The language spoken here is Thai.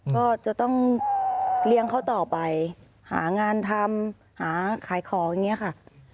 ก็จะต้องเลี้ยงเขาต่อไปหางานทำหาขายของอย่างนี้ค่ะ